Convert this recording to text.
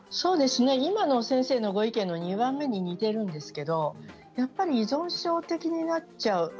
今の先生のご意見の２番目に似ているんですけれどやっぱり依存症と気になってしまう。